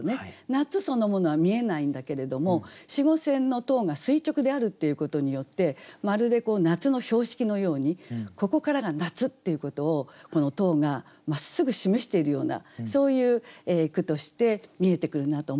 夏そのものは見えないんだけれども子午線の塔が垂直であるっていうことによってまるで夏の標識のようにここからが夏っていうことをこの塔がまっすぐ示しているようなそういう句として見えてくるなと思いました。